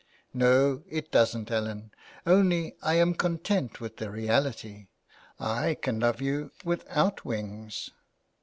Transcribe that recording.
*' No, it doesn't, Ellen, only I am content with the reality. I can love you without wings.''